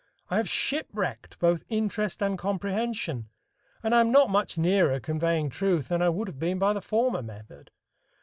I have shipwrecked both interest and comprehension, and I am not much nearer conveying truth than I would have been by the former method.